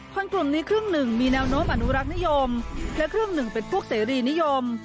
คนกลุ่มนี้ครึ่งหนึ่งมีแนวโน้มอนุรักษ์นิยมและครึ่งหนึ่งเป็นพวกเสรีนิยม